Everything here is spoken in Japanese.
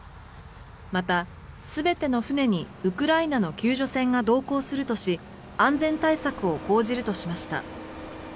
また、全ての船にウクライナの救助船が同行するとし安全対策を講じるとしました。